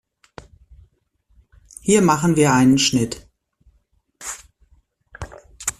Hier machen wir einen Schnitt.